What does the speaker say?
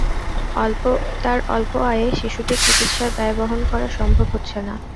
তাঁর অল্প আয়ে শিশুটির চিকিৎসার ব্যয় বহন করা সম্ভব হচ্ছে না।